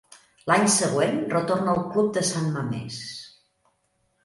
L'any següent retorna al club de San Mamés.